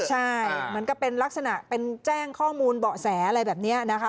ใช่เหมือนกับเป็นลักษณะเป็นแจ้งข้อมูลเบาะแสอะไรแบบนี้นะคะ